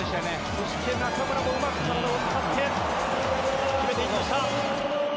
そして、中村もうまく体を使い決めました。